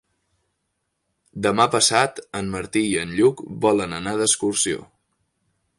Demà passat en Martí i en Lluc volen anar d'excursió.